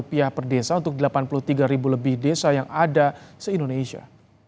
pihak perdesa untuk delapan puluh tiga ribu lebih desa yang ada di indonesia